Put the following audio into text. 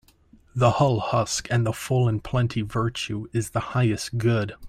The hull husk and the full in plenty Virtue is the highest good.